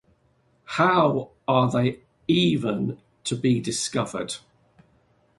How are they even to be discovered?